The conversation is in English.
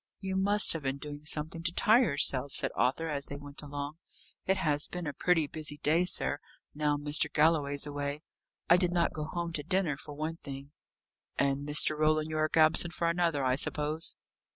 "You must have been doing something to tire yourself," said Arthur as they went along. "It has been a pretty busy day, sir, now Mr. Galloway's away. I did not go home to dinner, for one thing." "And Mr. Roland Yorke absent for another, I suppose?"